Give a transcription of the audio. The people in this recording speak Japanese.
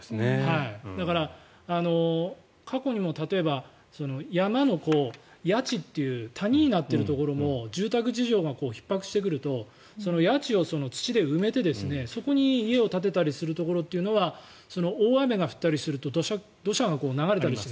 だから、過去にも例えば山の谷地っていう谷になっているところも住宅事情がひっ迫してくると谷地を土で埋めてそこに家を建てたりするところは大雨が降ったりすると土砂が流れたりする。